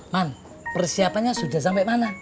man persiapannya sudah sampai mana